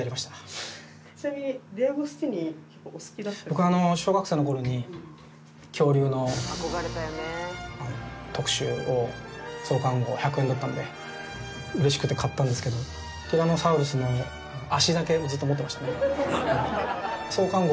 僕小学生の頃に恐竜の特集を創刊号１００円だったのでうれしくて買ったんですけどティラノサウルスの足だけずっと持ってましたね。